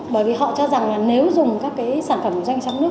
bởi vì họ cho rằng là nếu dùng các cái sản phẩm của doanh nghiệp trong nước